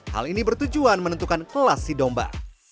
hal ini bertujuan menentukan kelas si domba